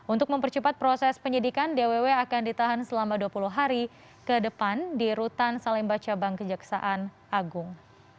untuk mempercepat proses penyidikan dww akan ditahan selama dua puluh hari ke depan di rutan salemba cabang kejaksaan agung